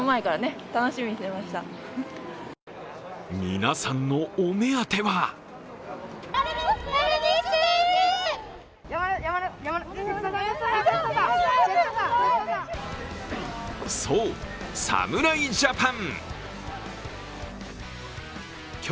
皆さんのお目当てはそう、侍ジャパン。